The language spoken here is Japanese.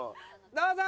どうぞ！